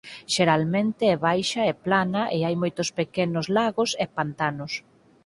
Xeralmente é baixa e plana e hai moitos pequenos lagos e pantanos.